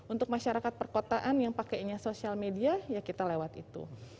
untuk masyarakat perkotaan yang pakainya sosial media ya kita lewat itu